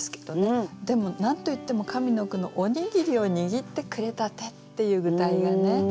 でも何と言っても上の句の「おにぎりを握ってくれた手」っていう具体がね